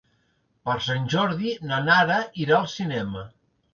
Per Sant Jordi na Nara irà al cinema.